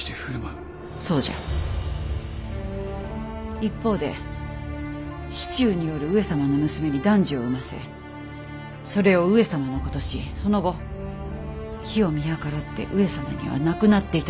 一方で市中におる上様の娘に男児を産ませそれを上様のお子としその後機を見計らって上様には亡くなって頂く。